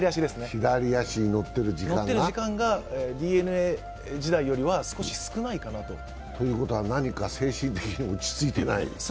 左足に乗っている時間がＤｅＮＡ時代よりは、少し少ないかなとということは何か精神的に落ち着いてない？